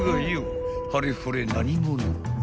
はれほれ何者？］